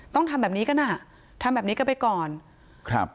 ต้องทำแบบนี้กันอ่ะทำแบบนี้กันไปก่อนครับ